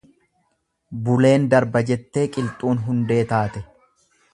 Buleen darba jettee qilxuun hundee taate.